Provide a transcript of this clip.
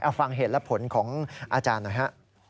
เอาฟังเหตุและผลของอาจารย์หน่อยฮะ